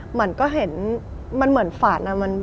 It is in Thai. เหมือนเหมือนฝัน